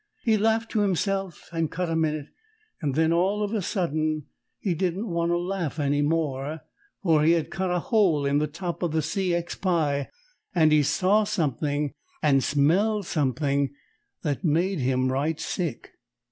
He laughed to himself and cut a minute, and then, all of a sudden, he didn't want to laugh any more, for he had cut a hole in the top of the C. X. pie and he saw something and smelled something that made him right sick.